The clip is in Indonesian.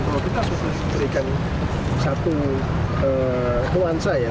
kalau kita harus memberikan satu puansa ya